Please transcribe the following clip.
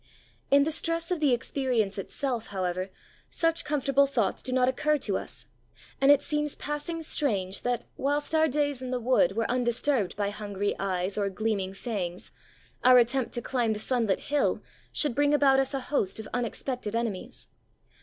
In the stress of the experience itself, however, such comfortable thoughts do not occur to us, and it seems passing strange that, whilst our days in the wood were undisturbed by hungry eyes or gleaming fangs, our attempt to climb the sunlit hill should bring about us a host of unexpected enemies.